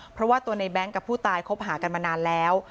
เพราะว่าตัวในแง๊งกับผู้ตายคบหากันมานานแล้ว